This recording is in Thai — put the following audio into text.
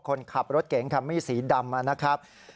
คนขับรถเก่งทำไม่สีดำนะครับ